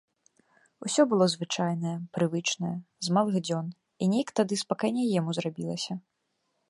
Усё было звычайнае, прывычнае з малых дзён, і нейк тады спакайней яму зрабілася.